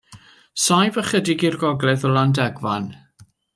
Saif ychydig i'r gogledd o Landegfan.